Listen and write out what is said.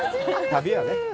旅はね。